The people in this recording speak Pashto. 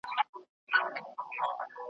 چي آباد وي پر نړۍ جاهل قومونه ,